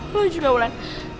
lo juga ulan